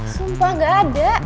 sumpah gak ada